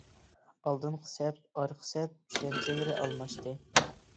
«ئالدىنقى سەپ» ، «ئارقا سەپ» چۈشەنچىلىرى ئالماشتى.